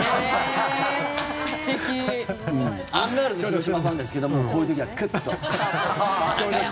アンガールズ広島ファンですけどもこういう時はグッと。